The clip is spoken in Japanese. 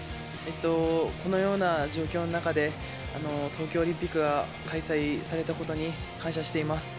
このような状況の中で、東京オリンピックが開催されたことに感謝しています。